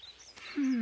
うん。